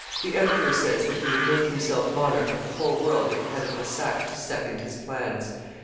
The emperor says that he would make himself monarch of the whole world if he had a Brissac to second his plans."